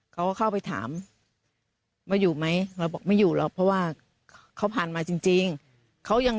เขาก็เข้าไปถามว่าอยู่ไหมเราบอกไม่อยู่หรอกเพราะว่าเขาผ่านมาจริงเขายัง